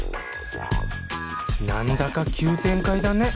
なんだか急展開だね。